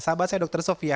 sahabat saya dokter sofia